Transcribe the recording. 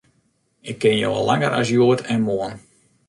Ik ken jo al langer as hjoed en moarn.